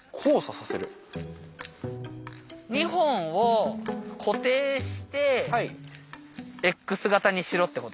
２本を固定してＸ形にしろってことだよね。